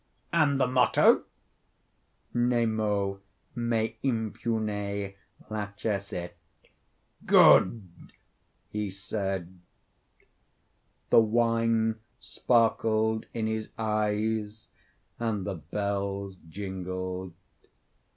"And the motto?" "Nemo me impune lacessit." "Good!" he said. The wine sparkled in his eyes and the bells jingled.